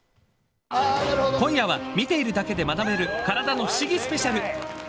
今夜は見ているだけで学べる体の不思議スペシャル。